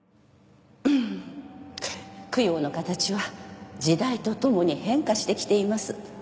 ・供養の形は時代とともに変化してきています。